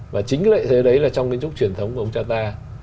và chính lợi thế đấy là trong kiến trúc truyền thống của ông cha ta